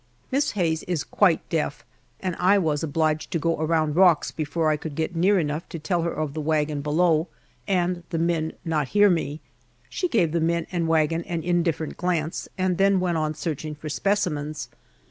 Miss Hayes is quite deaf, and I was obliged to go around rocks before I could get near enough to tell her of the wagon below, and the men not hear me. She gave the men and wagon an indifferent glance, and then went on searching for specimens.